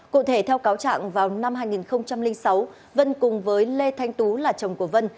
cụ thể theo cáo trạng vào năm hai nghìn sáu vân cùng với lê thanh tú là chồng của vân